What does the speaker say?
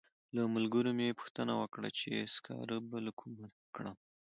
له ملګرو مې پوښتنه وکړه چې سکاره به له کومه کړم.